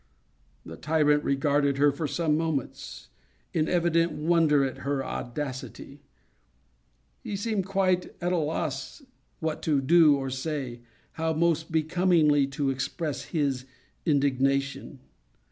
The tyrant regarded her, for some moments, in evident wonder at her audacity. He seemed quite at a loss what to do or say—how most becomingly to express his indignation.